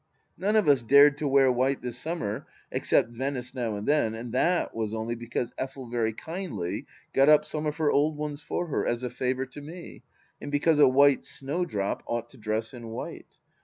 None of us dared to wear white this summer, except Venice now and then, and that was only because Effel very kindly got up some of her old ones for her, as a favour to me, and because a White Snowdrop ought to dress in white.